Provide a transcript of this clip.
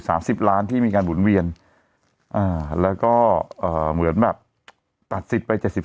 สิบล้านที่มีการหมุนเวียนอ่าแล้วก็เอ่อเหมือนแบบตัดสิทธิ์ไปเจ็ดสิบ